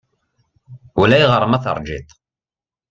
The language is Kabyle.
Ulayɣer ma teṛjiḍ-t.